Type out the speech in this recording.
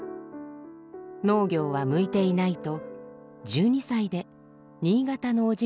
農業は向いていないと１２歳で新潟のおじに預けられます。